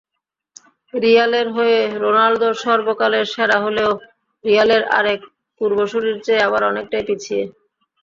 রিয়ালের হয়ে রোনালদো সর্বকালের সেরা হলেও রিয়ালের আরেক পূর্বসূরির চেয়ে আবার অনেকটাই পিছিয়ে।